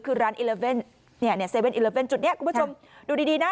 คือร้านเนี้ยเนี้ยเจ็บเว่นจุดเนี้ยคุณผู้ชมดูดีดีน่ะ